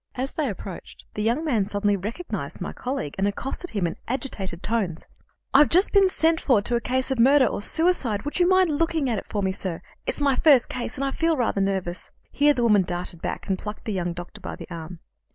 As they approached, the young man suddenly recognized my colleague, and accosted him in agitated tones. "I've just been sent for to a case of murder or suicide. Would you mind looking at it for me, sir? It's my first case, and I feel rather nervous." Here the woman darted back, and plucked the young doctor by the arm.